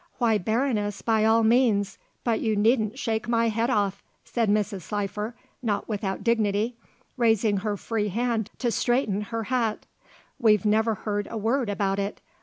"Why Baroness, by all means, but you needn't shake my head off," said Mrs. Slifer, not without dignity, raising her free hand to straighten her hat. "We've never heard a word about it.